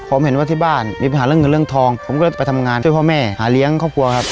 ผมเห็นว่าที่บ้านมีปัญหาเรื่องเงินเรื่องทองผมก็จะไปทำงานช่วยพ่อแม่หาเลี้ยงครอบครัวครับ